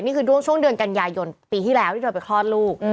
นี่คือช่วงเดือนกันยายนปีที่แล้วที่เธอไปคลอดลูก